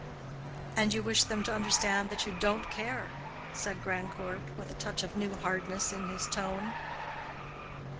"And you wish them to understand that you don't care?" said Grandcourt, with a touch of new hardness in his tone.